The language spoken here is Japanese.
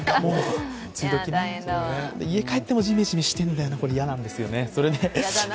家帰ってもジメジメしてるんだよな嫌だな、これ。